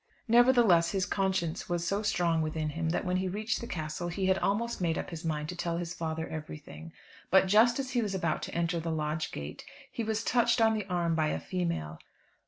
Nevertheless, his conscience was so strong within him, that when he reached the Castle he had almost made up his mind to tell his father everything. But just as he was about to enter the Lodge gate, he was touched on the arm by a female.